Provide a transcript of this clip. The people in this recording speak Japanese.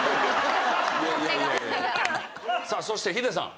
さあそしてヒデさん。